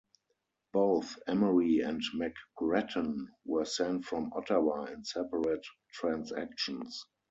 Both Emery and McGrattan were sent from Ottawa in separate transactions.